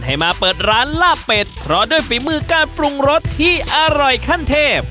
ให้มาเปิดร้านลาบเป็ดเพราะด้วยฝีมือการปรุงรสที่อร่อยขั้นเทพ